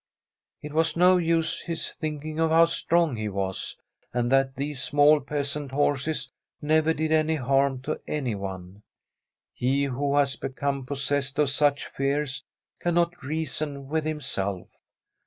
It was no use his thinking of how strong he was, and that these small peasant horses never did any harm to anyone: he who has become possessed of such fears cannot reason with him self.